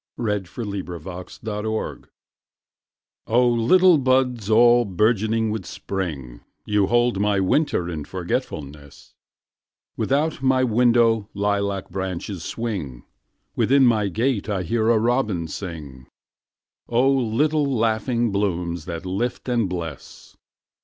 A Song in Spring O LITTLE buds all bourgeoning with Spring, You hold my winter in forgetfulness; Without my window lilac branches swing, Within my gate I hear a robin sing—O little laughing blooms that lift and bless!